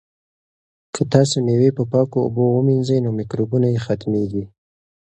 که تاسي مېوې په پاکو اوبو ومینځئ نو مکروبونه یې ختمیږي.